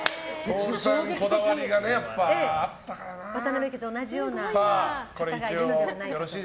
渡辺家と同じような方がいるのではないかと。